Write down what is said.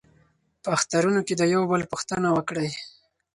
په اخترونو کې د یو بل پوښتنه وکړئ.